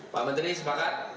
pak menteri sepakat